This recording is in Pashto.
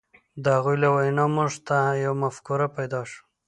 د هغوی له ویناوو موږ ته یوه مفکوره پیدا شوه.